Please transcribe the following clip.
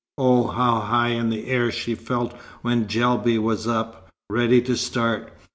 Oh, how high in the air she felt when Guelbi was up, ready to start!